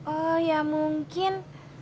oh ya mungkin